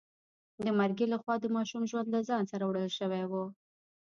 د مرګي لخوا د ماشوم ژوند له ځان سره وړل شوی و.